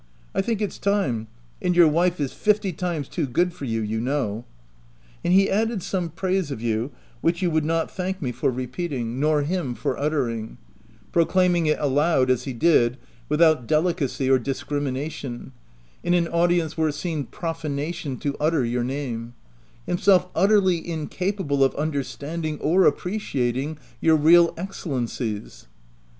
I think it's time ; and your wife is fifty times too good for you, you know —'" And he added some praise of you, which you would not thank me for repeating — nor SS THE TENANT him for uttering ; proclaiming it aloud, as he did, without delicacy or discrimination, in an audience where it seemed profanation to utter your name — himself utterly incapable of under standing or appreciating your real excellencies.